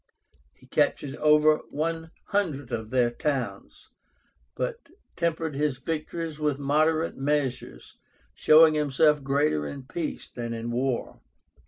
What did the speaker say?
He captured over one hundred of their towns, but tempered his victories with moderate measures, showing himself greater in peace than in war.